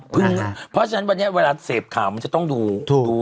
เพราะฉะนั้นวันนี้เวลาเสพข่าวมันจะต้องดูถูกดู